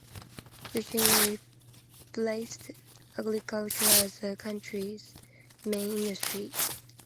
Fishing replaced agriculture as the country's main industry.